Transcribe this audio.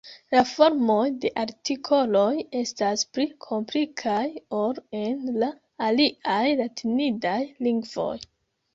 La formoj de artikoloj estas pli komplikaj ol en la aliaj latinidaj lingvoj.